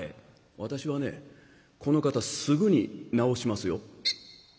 私はねこの方すぐに治しますよ」。